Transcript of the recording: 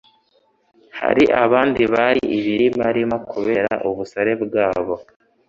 Hari abandi bari ibirimarima kubera ubusare bwabo